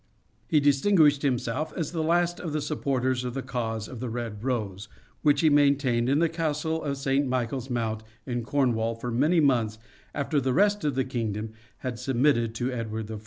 (He) distinguished himself as the last of the supporters of the cause of the red rose, which he maintained in the castle of St. Michael's Mount in Cornwall for many months after the rest of the kingdom had submitted to Edward IV. .